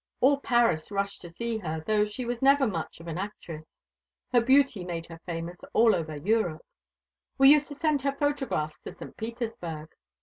All Paris rushed to see her, though she was never much of an actress. Her beauty made her famous all over Europe. We used to send her photographs to St. Petersburg.